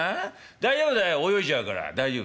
「大丈夫だよ泳いじゃうから大丈夫」。